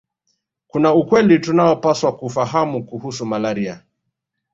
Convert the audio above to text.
Kuna ukweli tunaopaswa kufahamu kuhusu malaria